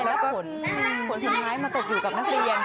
แล้วก็ผลสุดท้ายมาตกอยู่กับนักเรียน